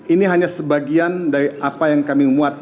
ini hanya sebagian dari apa yang kami muat